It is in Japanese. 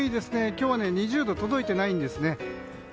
今日は２０度に届いていないんですね。